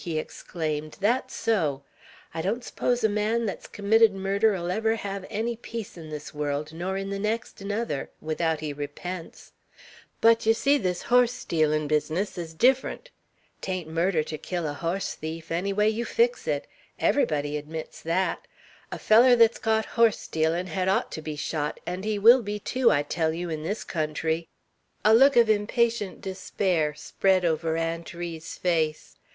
he exclaimed. "That's so! I don't s'pose a man that's committed murder 'll ever have any peace in this world, nor in the next nuther, without he repents; but ye see this horse stealin' business is different. 'Tain't murder to kill a hoss thief, any way you can fix it; everybody admits that. A feller that's caught horse stealin' had ought to be shot; and he will be, too, I tell you, in this country!" A look of impatient despair spread over Aunt Ri's face.